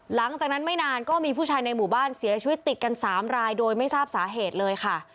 หลังจากนั้นไม่นานก็มีผู้ชายในหมู่บ้านเสียชีวิตติดกัน๓รายโดยไม่ทราบสาเหตุเลยค่ะ